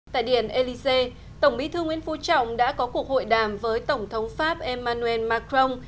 tại điển elisée tổng bí thư nguyễn phú trọng đã có cuộc hội đàm với tổng thống pháp emmanuel macron